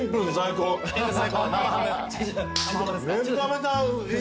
めちゃめちゃいい。